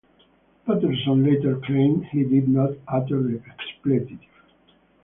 Patterson later claimed he did not utter the expletive.